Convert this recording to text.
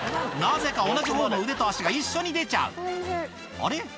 なぜか同じほうの腕と足が一緒に出ちゃうあれ？